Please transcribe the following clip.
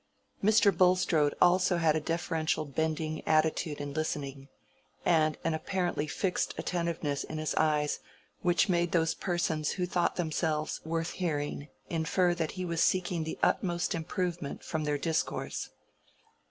Mr. Bulstrode had also a deferential bending attitude in listening, and an apparently fixed attentiveness in his eyes which made those persons who thought themselves worth hearing infer that he was seeking the utmost improvement from their discourse.